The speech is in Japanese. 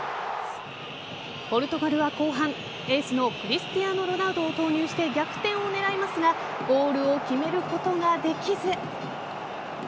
ポルトガルは後半エースのクリスティアーノロナウドを投入して逆転を狙いますがゴールを決めることができず。